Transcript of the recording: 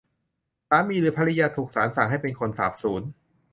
สามีหรือภริยาถูกศาลสั่งให้เป็นคนสาบสูญ